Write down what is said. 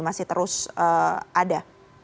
masih terus ada